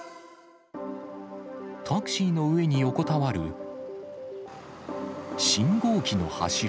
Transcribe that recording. タクシーの上に横たわる信号機の柱。